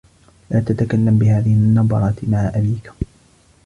لا تتكلّم بهذه النّبرة مع أبيك.